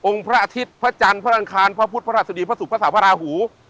พระอาทิตย์พระจันทร์พระอังคารพระพุทธพระราชดีพระศุกร์พระสาวพระราหู